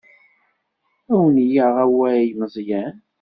Ad wen-yaɣ awal Meẓyan.